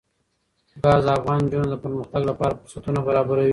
ګاز د افغان نجونو د پرمختګ لپاره فرصتونه برابروي.